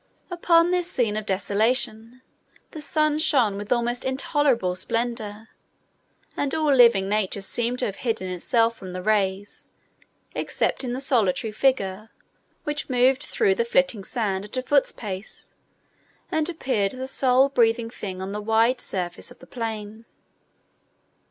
Upon this scene of desolation the sun shone with almost intolerable splendour, and all living nature seemed to have hidden itself from the rays, excepting the solitary figure which moved through the flitting sand at a foot's pace, and appeared the sole breathing thing on the wide surface of the plain.